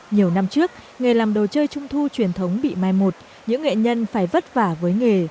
nhiều năm trước nghề làm đồ chơi trung thu truyền thống bị mai một những nghệ nhân phải vất vả với nghề